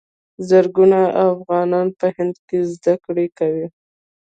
زرګونه افغانان په هند کې زده کړې کوي.